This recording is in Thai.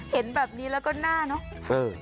เห็นแบบนี้แล้วก็หน้าเนอะ